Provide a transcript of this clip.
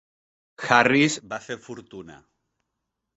Harris va fer fortuna.